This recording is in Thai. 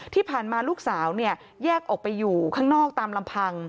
ที่ผ่านมาลูกสาวแยกออกไปอยู่ข้างนอกตามลำพัง